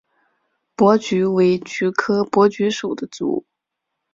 珀菊为菊科珀菊属的植物。